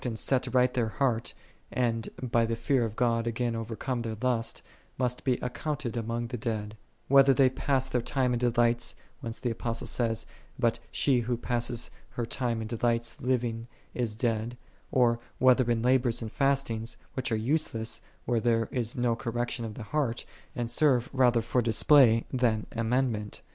ind set right their heart, and by the fear ot (,(nl again overcome their lust, must be accounted among the dead; whether they pass their time in delights, whence the Apos tle says, " But she who passes her time in de lights, living, is dead;"4 or whether in labors and fastings, which are useless where there is no correction of the heart, and serve rather for display than amendment.